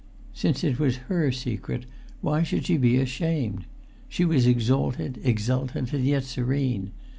Since it was her secret, why should she be ashamed? She was exalted, exultant, and yet serene.